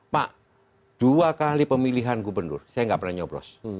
pak dua kali pemilihan gubernur saya nggak pernah nyoblos